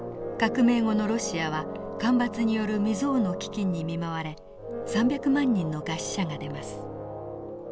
革命後のロシアは干ばつによる未曽有の飢きんに見舞われ３００万人の餓死者が出ます。